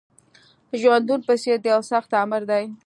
ژوندون په څېر د یوه سخت آمر دی